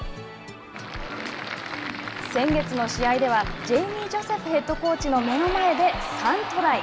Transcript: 先月の試合ではジェイミー・ジョセフヘッドコーチの目の前で３トライ。